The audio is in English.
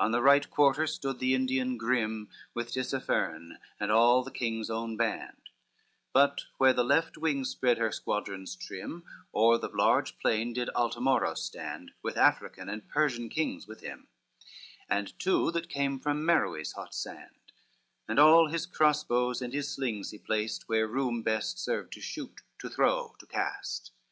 XXIII On the right quarter stood the Indian grim, With Tisipherne and all the king's own band; But where the left wing spread her squadrons trim O'er the large plain, did Altamoro stand, With African and Persian kings with him, And two that came from Meroe's hot sand, And all his crossbows and his slings he placed, Where room best served to shoot, to throw, to cast.